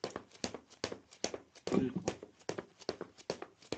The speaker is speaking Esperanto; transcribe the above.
bulko